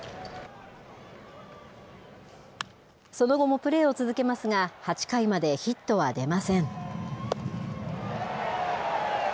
その後もプレーを続けますが、８回までヒットは出ません。